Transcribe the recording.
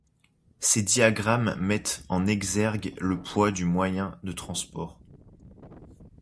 Ces diagrammes mettent en exergue le poids du moyen de transport.